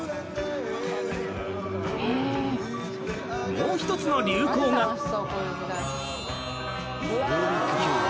［もう１つの流行が］うわ！